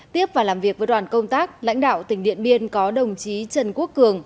tiếp và làm việc với đoàn công tác lãnh đạo tỉnh điện biên có đồng chí trần quốc cường